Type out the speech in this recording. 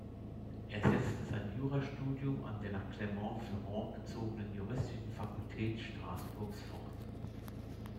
Er setzte sein Jura-Studium an der nach Clermont-Ferrand gezogenen juristischen Fakultät Straßburgs fort.